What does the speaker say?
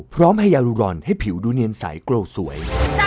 พร้อมให้ยารูรอนให้ผิวดูเนียนใสโกรธสวย